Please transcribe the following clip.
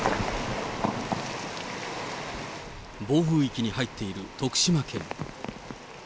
暴風域に入っている徳島県。